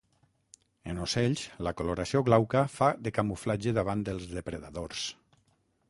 En ocells la coloració glauca fa de camuflatge davant els depredadors.